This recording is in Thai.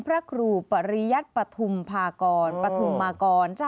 พระครูปริยรทรปฑมภากรปฐุมมากร